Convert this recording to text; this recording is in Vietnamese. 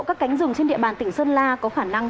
các cánh rừng trên địa bàn tỉnh sơn la có khả năng